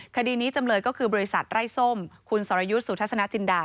คดีนี้จำเลยก็คือบริษัทไร้ส้มคุณสรยุทธ์สุทัศนจินดา